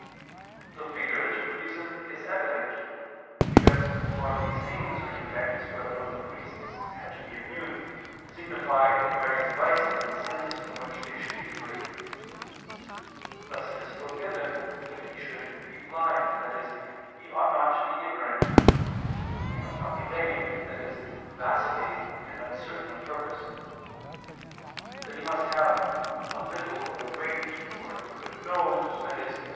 The figurative reason is evident. Because bodily stains or defects wherefrom the priests had to be immune, signify the various vices and sins from which they should be free. Thus it is forbidden that he should be blind, i.e. he ought not to be ignorant: he must not be lame, i.e. vacillating and uncertain of purpose: that he must have "a little, or a great, or a crooked nose," i.e.